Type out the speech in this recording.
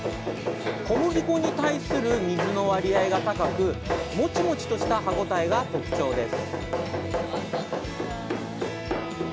小麦粉に対する水の割合が高く、もちもちとした歯応えが特徴です。